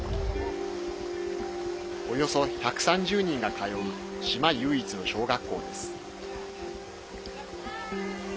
およそ１３０人が通う島唯一の小学校です。